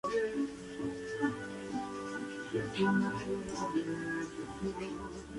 Este convenio fue ratificado el año siguiente por ley provincial de facto.